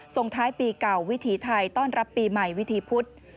ส่งท้ายปีเก่าวิถีไทยต้อนรับปีใหม่วิถีพุธ